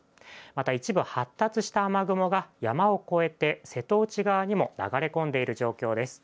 また、一部発達した雨雲が山を越えて、瀬戸内側にも流れ込んでいる状況です。